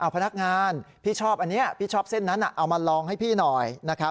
พนักงานพี่ชอบอันนี้พี่ชอบเส้นนั้นเอามาลองให้พี่หน่อย